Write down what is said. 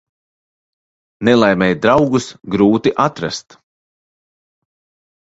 Nelaimē draugus grūti atrast.